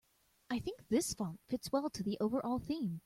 I think this font fits well to the overall theme.